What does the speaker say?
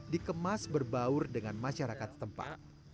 dikemas berbaur dengan masyarakat tempat